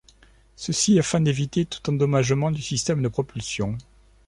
Ceci afin d'éviter tout endommagement du système de propulsion.